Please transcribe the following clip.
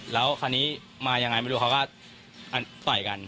แล้วคราวนี้มายังไงไม่รู้เขาก็ต่อยกัน